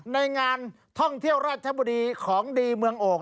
ในงานท่องเที่ยวราชบุรีของดีเมืองโอ่ง